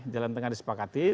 jalan tengah disepakati